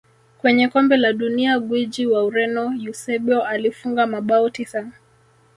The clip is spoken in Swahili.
Kwenye kombe la dunia gwiji wa ureno eusebio alifunga mabao tisa